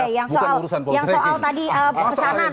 oke yang soal tadi pesanan bayaran silahkan mas